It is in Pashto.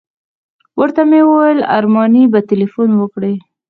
ورته ومې ویل ارماني به تیلفون وکړي.